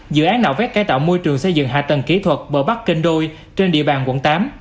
dự án nạo vét cải tạo môi trường xây dựng hạ tầng kỹ thuật bờ bắc kênh đôi trên địa bàn quận tám